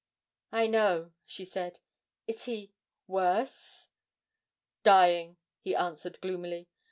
'I know,' she said. 'Is he worse?' 'Dying,' he answered gloomily.